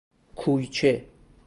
کویچه